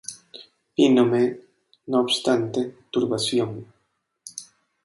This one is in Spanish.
Vínome no obstante turbación.